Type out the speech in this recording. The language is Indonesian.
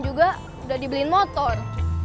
sudah dibeli motor